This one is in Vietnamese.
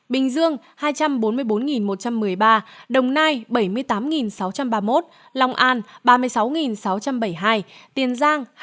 bốn trăm bốn mươi tám năm trăm chín mươi ba bình dương hai trăm bốn mươi bốn một trăm một mươi ba đồng nai bảy mươi tám sáu trăm ba mươi một lòng an ba mươi sáu sáu trăm bảy mươi hai tiền giang hai mươi một hai trăm tám mươi